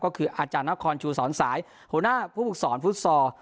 ก็คืออาจารย์นครชูสอนสายหัวหน้าผู้ฝึกสอนฟุตซอล